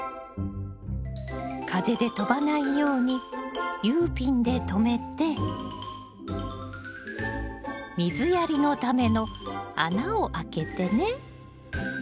風で飛ばないようにＵピンで留めて水やりのための穴を開けてね。